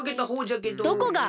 どこが！